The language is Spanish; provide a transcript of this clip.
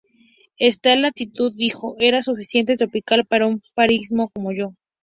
Esta latitud, dijo, era "suficientemente tropical para un parisino como yo.